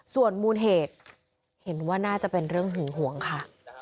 ส่วนมูลเหตุเห็นว่าน่าจะเป็นเรื่องหึงหวงค่ะ